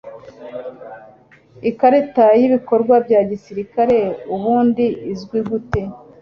Ikarita y'Ibikorwa bya Gisirikare Ubundi izwi gute